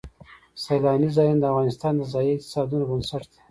سیلانی ځایونه د افغانستان د ځایي اقتصادونو بنسټ دی.